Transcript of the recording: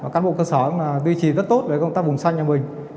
các bộ cơ sở cũng là duy trì rất tốt về công tác bùng xanh nhà mình